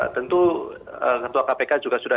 tentu ketua kpk juga sudah